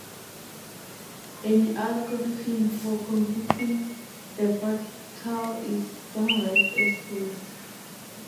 An algorithm, for computing the fractal is summarized as follows.